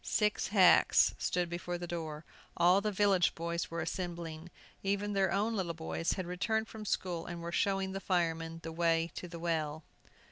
Six hacks stood before the door. All the village boys were assembling. Even their own little boys had returned from school, and were showing the firemen the way to the well.